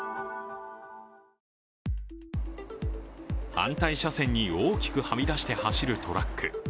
反対車線に大きくはみ出して走るトラック。